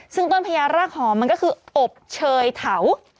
ซึ่งต้นพญารากหอมมันก็คืออบเชยเถา